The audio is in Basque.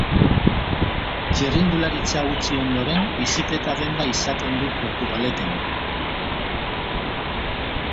Txirrindularitza utzi ondoren, bizikleta-denda izaten du Portugaleten.